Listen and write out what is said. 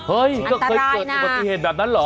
เฮ้ยก็เคยเกิดประเภทแบบนั้นหรอ